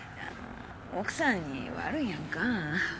奥さんに悪いやんか。